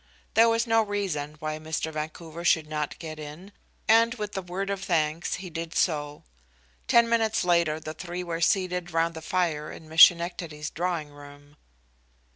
There was no reason why Mr. Vancouver should not get in, and with a word of thanks he did so. Ten minutes later the three were seated round the fire in Miss Schenectady's drawing room.